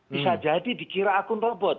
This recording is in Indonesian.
bisa jadi dikira akun robot